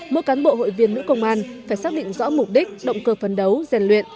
mỗi cán bộ hội viên nữ công an phải xác định rõ mục đích động cơ phấn đấu rèn luyện